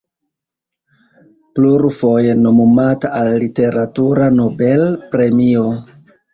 Plurfoje nomumata al literatura Nobel-premio.